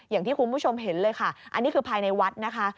อย่างที่คุณผู้ชมเห็นเลยค่ะอันนี้คือภายในวัดนะคะ